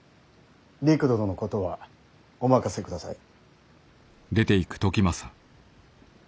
りく殿のことはお任せください。